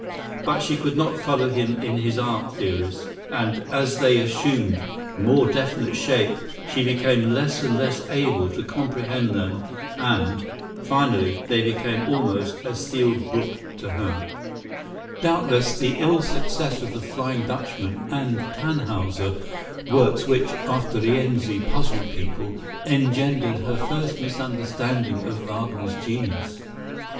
But she could not follow him in his art theories, and as they assumed more definite shape she became less and less able to comprehend them and, finally, they became almost a sealed book to her. [Illustration: Richard and Cosima Wagner.] Doubtless, the ill success of "The Flying Dutchman" and "Tannhäuser," works which, after "Rienzi," puzzled people, engendered her first misunderstanding of Wagner's genius.